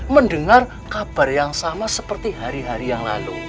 mendengar kabar yang sama seperti hari hari yang lalu